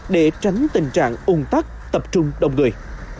để tránh tình trạng ung tắc tập trung đông người